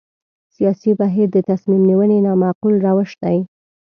سیاسي بهیر د تصمیم نیونې نامعقول روش دی.